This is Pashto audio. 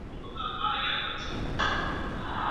ادبیاتو پوهنځۍ پرته له پلانه نه پراخیږي.